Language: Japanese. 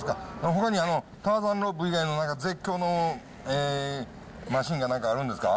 ほかにターザンロープ以外の絶叫のマシンかなんかあるんですか？